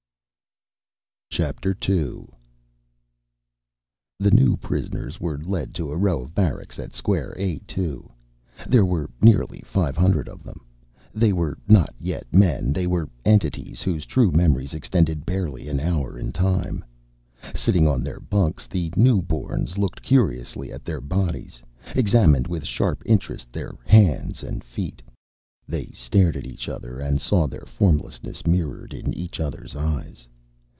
Chapter Two The new prisoners were led to a row of barracks at Square A 2. There were nearly five hundred of them. They were not yet men; they were entities whose true memories extended barely an hour in time. Sitting on their bunks, the newborns looked curiously at their bodies, examined with sharp interest their hands and feet. They stared at each other, and saw their formlessness mirrored in each other's eyes.